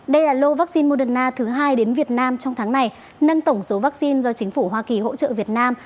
đây là lô vaccine moderna thứ hai đến việt nam trong tháng này nâng tổng số vaccine do chính phủ hoa kỳ hỗ trợ việt nam